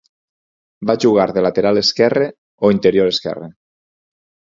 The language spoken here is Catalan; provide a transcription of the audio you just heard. Va jugar de lateral esquerre o interior esquerre.